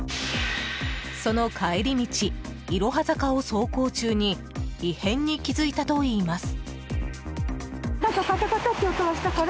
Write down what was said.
その帰り道いろは坂を走行中に異変に気付いたといいます。